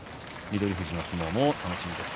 富士の相撲も楽しみです。